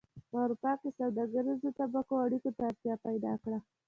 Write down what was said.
په اروپا کې سوداګریزو طبقو اړیکو ته اړتیا پیدا کړه